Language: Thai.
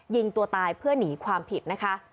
ยิงตัวตายเพื่อหนีความผิดนะคะ